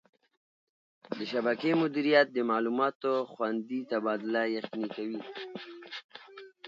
د شبکې مدیریت د معلوماتو خوندي تبادله یقیني کوي.